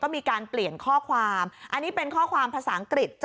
มีการเปลี่ยนข้อความอันนี้เป็นข้อความภาษาอังกฤษ